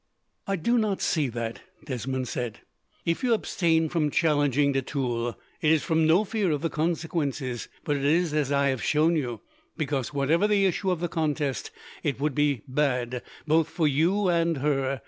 "I do not see that," Desmond said. "If you abstain from challenging de Tulle, it is from no fear of the consequences, but it is, as I have shown you, because, whatever the issue of the contest, it would be bad both for you and her.